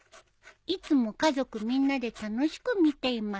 「いつも家族みんなで楽しく見ています」